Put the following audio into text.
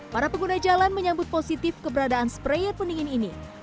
para pengguna jalan menyambut positif keberadaan sprayer pendingin ini